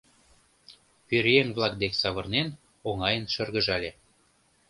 Пӧръеҥ-влак дек савырнен, оҥайын шыргыжале: